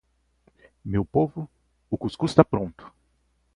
meu povo, o cuscuz tá pronto!